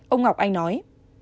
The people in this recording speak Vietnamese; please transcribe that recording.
ông ngọc anh nói